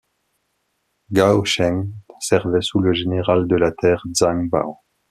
Gao Sheng servait sous le général de la terre, Zhang Bao.